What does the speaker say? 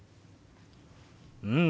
うん！